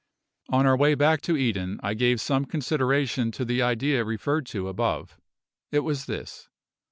On our way back to Eden I gave some consideration to the idea referred to above. It was this.